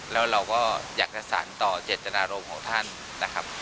แล้วเราก็อยากจะสารต่อเจตนารมณ์ของท่านนะครับ